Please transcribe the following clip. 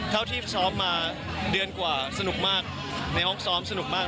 ที่ซ้อมมาเดือนกว่าสนุกมากในห้องซ้อมสนุกมาก